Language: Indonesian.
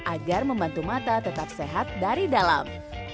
agar membantu mata tetap sehat dari dalam